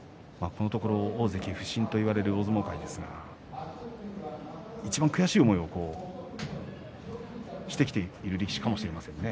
このところ大関不振といわれる大相撲界ですがいちばん悔しい思いをしてきている力士かもしれませんね